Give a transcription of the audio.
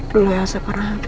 dulu elsa pernah hati